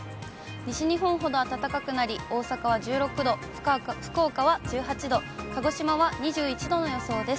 西日本ほど暖かくなり、大阪は１６度、福岡は１８度、鹿児島は２１度の予想です。